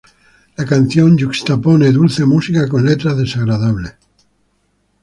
La canción yuxtapone dulce música con letras desagradable.